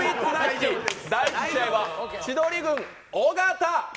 第１試合は千鳥軍、尾形。